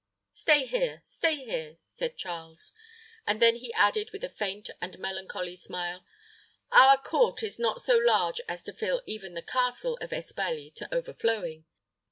"Stay here, stay here," said Charles; and then he added, with a faint and melancholy smile, "Our court is not so large as to fill even the Castle of Espaly to overflowing.